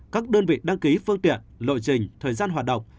các đơn vị đăng ký phương tiện lộ trình thời gian hoạt động